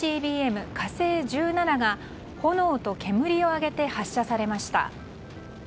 「火星１７」が炎と煙を上げて発射されました。